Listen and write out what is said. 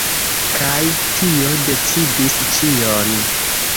Kaj tio decidis ĉion.